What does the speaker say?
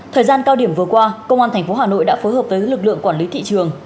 thời gian cao điểm vừa qua công an tp hà nội đã phối hợp với lực lượng quản lý thị trường